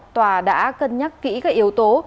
tòa đã cân nhắc kỹ các yếu tố